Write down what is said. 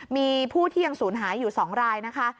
มีผู้ที่ยังสูญหายอยู่๒รายนะคะ